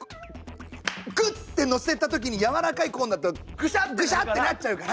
グッてのせた時にやわらかいコーンだとグシャッてなっちゃうから。